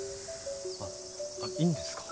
あっあっいいんですか。